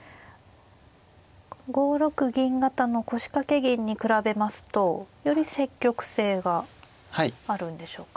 ５六銀型の腰掛け銀に比べますとより積極性があるんでしょうか。